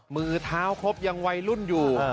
มือเท้าครบยังวัยรุ่นอยู่